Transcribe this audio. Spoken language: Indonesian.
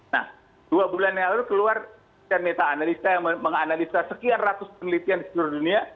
nah dua bulan yang lalu keluar menganalisa sekian ratus penelitian di seluruh dunia